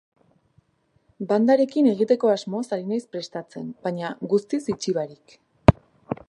Bandarekin egiteko asmoz ari naiz prestatzen, baina guztiz itxi barik.